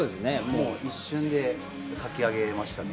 一瞬で書き上げましたね。